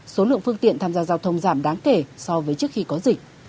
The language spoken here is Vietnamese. số lượng phương tiện tham gia giao thông giảm đáng kể so với trước khi có dịch